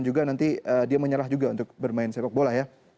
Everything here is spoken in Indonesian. juga nanti dia menyerah juga untuk bermain sepak bola ya